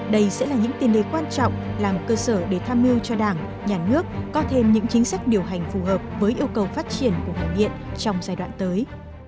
đây sẽ là những tiền đề quan trọng làm cơ sở để tham mưu cho đảng nhà nước có thêm những chính sách điều hành phù hợp với yêu cầu phát triển của ngành điện trong giai đoạn tới